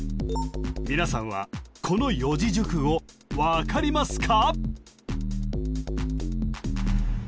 皆さんはこの四字熟語分かりますか？